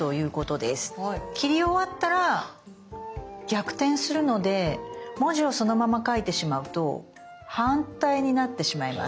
切り終わったら逆転するので文字をそのまま描いてしまうと反対になってしまいます。